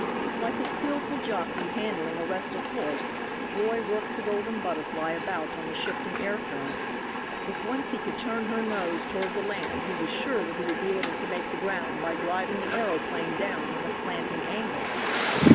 Like a skillful jockey handling a restive horse, Roy worked the Golden Butterfly about on the shifting air currents. If once he could turn her nose toward the land he was sure that he would be able to make the ground by driving the aeroplane down on a slanting angle.